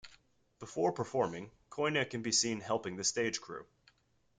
Before performing, Coyne can be seen helping the stage crew.